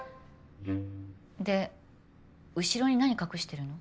で後ろに何隠してるの？